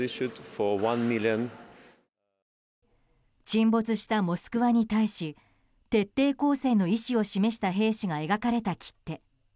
沈没した「モスクワ」に対し徹底抗戦の意思を示した兵士が描かれた切手。